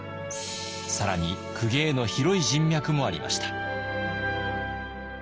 更に公家への広い人脈もありました。